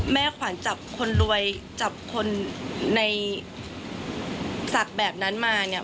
แม่ขวัญจับคนรวยจับคนในศักดิ์แบบนั้นมาเนี่ย